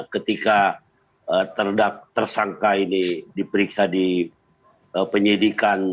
ketika tersangka ini diperiksa di penyidikan